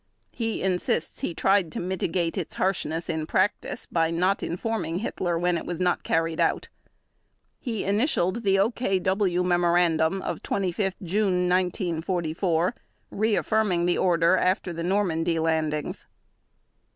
He insists he tried to mitigate its harshness in practice by not informing Hitler when it was not carried out. He initialed the OKW memorandum of 25 June 1944 reaffirming the Order after the Normandy landings.